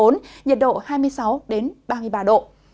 nhiệt độ hai mươi sáu ba mươi ba độ